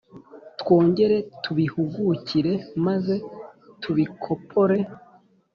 twongere tubihugukire maze tubikpore